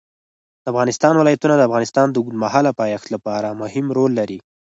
د افغانستان ولايتونه د افغانستان د اوږدمهاله پایښت لپاره مهم رول لري.